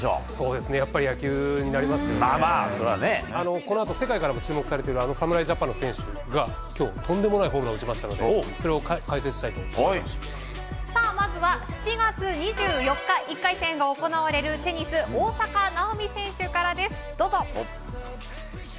このあと世界からも注目されている侍ジャパンの選手が今日、とんでもないホームランを打ちましたのでまずは７月２４日１回戦が行われるテニス大坂なおみ選手からです。